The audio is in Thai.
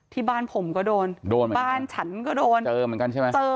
ที่บ้านผมก็โดนโดนบ้านฉันก็โดนเจอเหมือนกันใช่ไหมเจอ